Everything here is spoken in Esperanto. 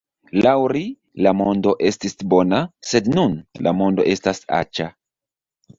Laŭ ri, la mondo estis bona, sed nun, la mondo estas aĉa.